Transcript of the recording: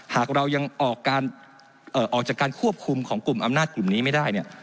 หากเรายังออกจากการควบคุมของกลุ่มอำนาจกลุ่มนี้ไม่ได้เนี่ย